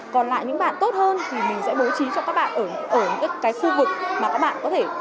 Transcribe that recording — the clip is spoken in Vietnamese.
còn lại những bạn tốt hơn thì mình sẽ bố trí cho các bạn ở những cái khu vực mà các bạn có thể tiếp cận với các bạn